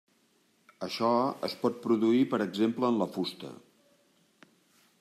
Això es pot produir per exemple en la fusta.